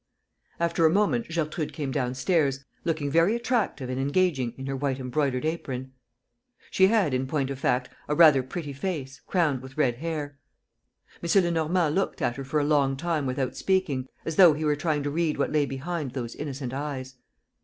After a moment, Gertrude came downstairs, looking very attractive and engaging in her white embroidered apron. She had, in point of fact, a rather pretty face, crowned with red hair. M. Lenormand looked at her for a long time without speaking, as though he were trying to read what lay behind those innocent eyes.